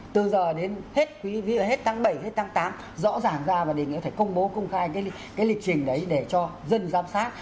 từ giờ đến hết quý hết tháng bảy hết tháng tám rõ ràng ra và đề nghị phải công bố công khai cái lịch trình đấy để cho dân giám sát